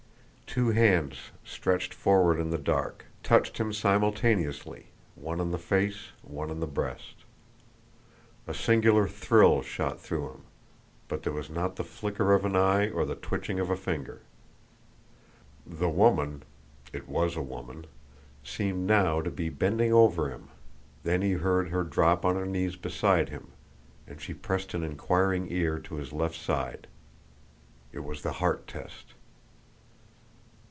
Two hands stretched forward in the dark, touched him simultaneously one on the face, one on the breast. A singular thrill shot through him, but there was not the flicker of an eye or the twitching of a finger. The woman it was a woman seemed now to be bending over him, then he heard her drop on her knees beside him, and she pressed an inquiring ear to his left side. It was the heart test.